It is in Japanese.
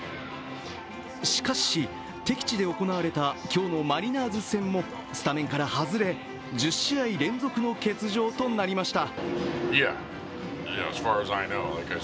しかし、敵地で行われた今日のマリナーズ戦もスタメンから外れ１０試合連続の欠場となりました。